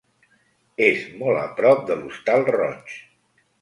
És molt a prop de l'Hostal Roig.